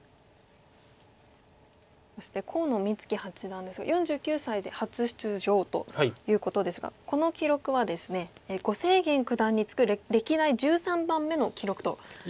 そして河野光樹八段ですが４９歳で初出場ということですがこの記録はですね呉清源九段に次ぐ歴代１３番目の記録となっております。